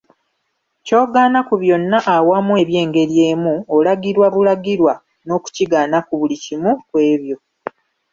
Ky'ogaana ku byonna awamu eby'engeri emu, olagirwa bulagirwa n'okukigaana ku buli kimu ku ebyo.